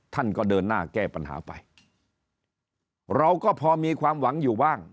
ท่านก็เดินหน้าแก้ปัญหาไปเราก็พอมีความหวังอยู่บ้าง